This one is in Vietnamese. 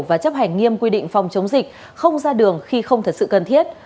và chấp hành nghiêm quy định phòng chống dịch không ra đường khi không thật sự cần thiết